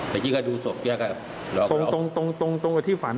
แต่ที่ก็ดูศพแกตรงก็รอกออกก็รอ